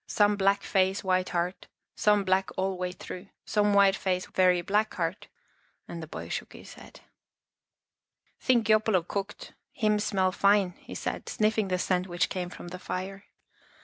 " Some black face white heart, some black all way through. Some white face very black heart," and the boy shook his head. " Think yopolo cooked. Him smell fine," he Housekeeping in a Cave 107 said, sniffing the scent which came from the fire.